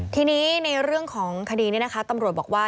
ทีนี้ในเรื่องของคดีนี้นะคะตำรวจบอกว่า